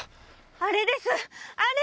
あれですあれ！